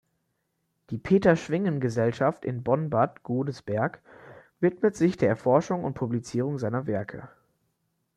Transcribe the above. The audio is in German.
Die Peter-Schwingen-Gesellschaft in Bonn-Bad Godesberg widmet sich der Erforschung und Publizierung seiner Werke.